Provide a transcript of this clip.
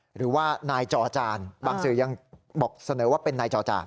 หรือว่านายจอจานบางสื่อยังบอกเสนอว่าเป็นนายจอจาน